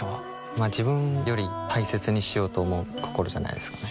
ま自分より大切にしようと思う心じゃないですかね